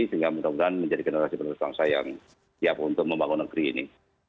sehingga mudah mudahan menjadi generasi penerus bangsa yang siap untuk membangun negeri ini